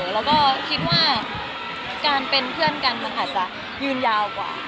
แล้วก็คิดว่าการเป็นเพื่อนกันมันอาจจะยืนยาวกว่า